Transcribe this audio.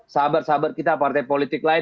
sahabat sahabat kita partai politik lain